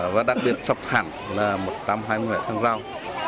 và đặc biệt sập hẳn là một trăm hai mươi người hàng rào